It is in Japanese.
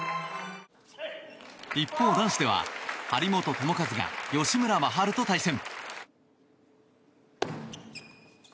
一方、男子では張本智和が吉村真晴と対戦。